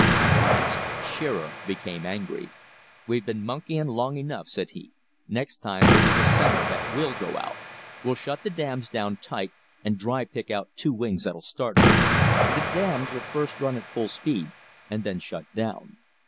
At last Shearer became angry. "We've been monkeying long enough," said he. "Next time we'll leave a center that WILL go out. We'll shut the dams down tight and dry pick out two wings that'll start her." The dams were first run at full speed, and then shut down.